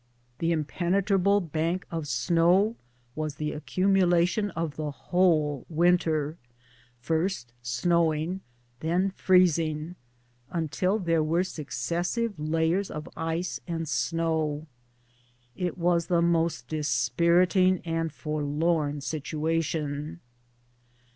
The impenetrable bank of snow was the accumulation of the whole winter, first A WINTER'S JOURNEY ACROSS THE PLAINS. 255 snowing, then freezing, until there were successive lay ers of ice and snow. It was tlie most dispiriting and forlorn situation.